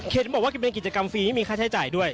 บอกว่าเป็นกิจกรรมฟรีไม่มีค่าใช้จ่ายด้วย